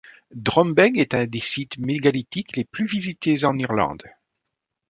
Drombeg est un des sites mégalithiques les plus visités en Irlande.